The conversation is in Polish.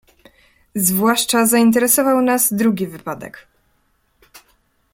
"Zwłaszcza zainteresował nas drugi wypadek."